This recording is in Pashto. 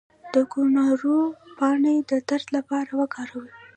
د کوکنارو پاڼې د درد لپاره وکاروئ